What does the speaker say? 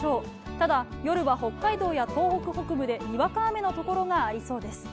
ただ、夜は北海道や東北北部でにわか雨のところがありそうです。